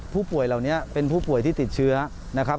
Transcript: ผู้ป่วยเหล่านี้เป็นผู้ป่วยที่ติดเชื้อนะครับ